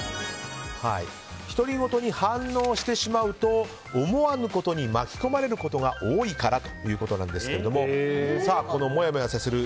独り言に反応してしまうと思わぬことに巻き込まれることが多いからということですがこの、もやもやさせる